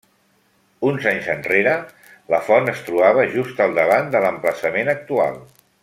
Uns anys enrere, la font es trobava just al davant de l'emplaçament actual.